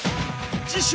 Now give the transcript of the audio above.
次週